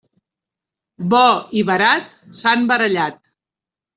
Bo i Barat s'han barallat.